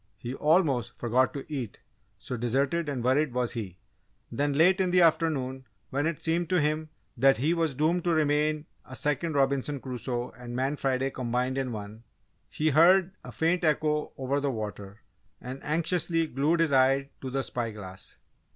He almost forgot to eat so deserted and worried was he. Then, late in the afternoon, when it seemed to him that he was doomed to remain a Second Robinson Crusoe and Man Friday combined in one, he heard a faint echo over the water, and anxiously glued his eye to the spy glass.